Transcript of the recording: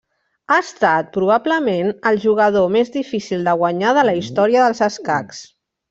Ha estat, probablement, el jugador més difícil de guanyar de la història dels escacs.